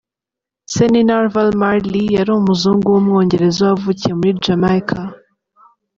Se ni Narval Marley, yari umuzungu w’Umwongereza wavukiye muri Jamaica.